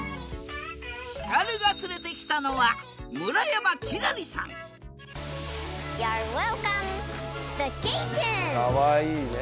ヒカルが連れてきたのはかわいいね。